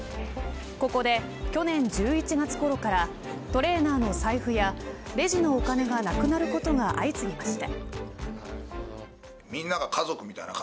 ここで、去年１１月ごろからトレーナーの財布やレジのお金がなくなることが相次ぎました。